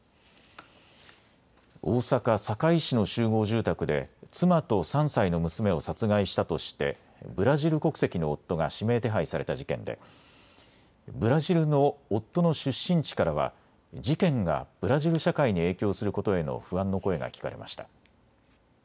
大阪堺市の集合住宅で妻と３歳の娘を殺害したとしてブラジル国籍の夫が指名手配された事件でブラジルの夫の出身地からは事件がブラジル社会に影響することへの不安の声が聞かれました。